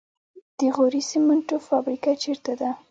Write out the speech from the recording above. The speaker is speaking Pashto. د غوري سمنټو فابریکه چیرته ده؟